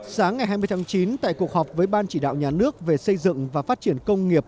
sáng ngày hai mươi tháng chín tại cuộc họp với ban chỉ đạo nhà nước về xây dựng và phát triển công nghiệp